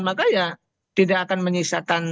maka ya tidak akan menyisakan